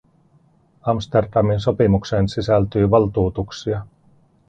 Amsterdamin sopimukseen sisältyy valtuutuksia.